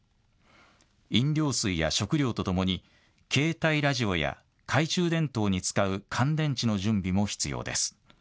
飲料水や食料とともに携帯ラジオや懐中電灯に使う乾電池の準備も必要です。